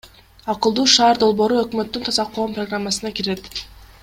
Акылдуу шаар долбоору өкмөттүн Таза коом программасына кирет.